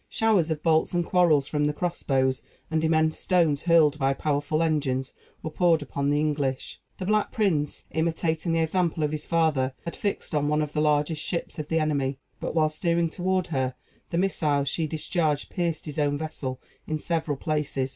Showers of bolts and quarrels from the cross bows, and immense stones, hurled by powerful engines, were poured upon the English. The Black Prince, imitating the example of his father, had fixed on one of the largest ships of the enemy; but, while steering toward her, the missiles she discharged pierced his own vessel in several places.